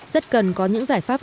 rất cần có những giá trị đặc biệt